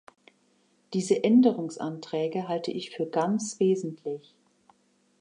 Diese Änderungsanträge halte ich für ganz wesentlich.